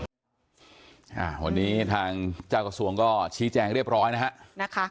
วันนี้ทางเจ้ากระทรวงก็ชี้แจงเรียบร้อยนะฮะนะคะ